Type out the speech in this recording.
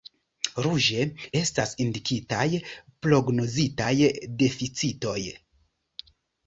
Ruĝe estas indikitaj prognozitaj deficitoj.